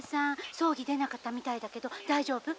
葬儀出なかったみたいだけど大丈夫？